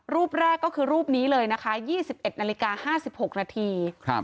รูปแรกก็คือรูปนี้เลยนะคะ๒๑นาฬิกา๕๖นาที